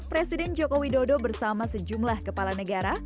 presiden joko widodo bersama sejumlah kepala negara